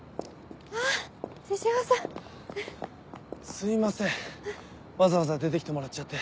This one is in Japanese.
すいませんわざわざ出て来てもらっちゃって。